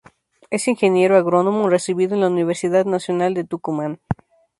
Es Ingeniero Agrónomo recibido en la Universidad Nacional de Tucumán.